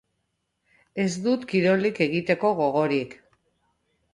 Ez dut kirolik egiteko gogorik.